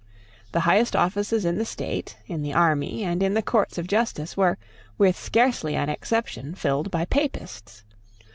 The highest offices in the state, in the army, and in the Courts of justice, were, with scarcely an exception, filled by Papists.